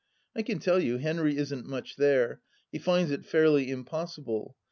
I can tell you, Henry isn't much there j he finds it fairly impossible.